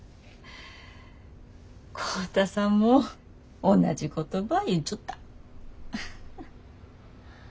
浩太さんも同じことば言っちょった。